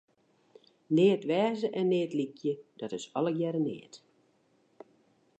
Neat wêze en neat lykje, dat is allegearre neat.